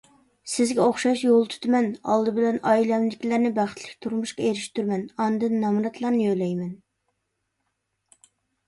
سىزگە ئوخشاش يول تۇتىمەن، ئالدى بىلەن ئائىلەمدىكىلەرنى بەختلىك تۇرمۇشقا ئېرىشتۈرىمەن، ئاندىن نامراتلارنى يۆلەيمەن.